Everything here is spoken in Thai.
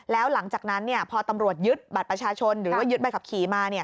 แล้วหลังจากนั้นพอตำรวจยึดบัตรประชาชนหรือว่ายึดใบขับขี่มา